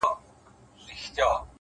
د فکر نظم د پرېکړې کیفیت لوړوي؛